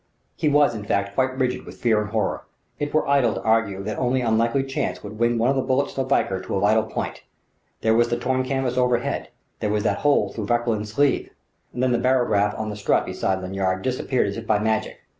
He was, in fact, quite rigid with fright and horror. It were idle to argue that only unlikely chance would wing one of the bullets from the Valkyr to a vital point: there was the torn canvas overhead, there was that hole through Vauquelin's sleeve.... And then the barograph on the strut beside Lanyard disappeared as if by magic.